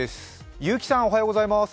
結城さん、おはようございます。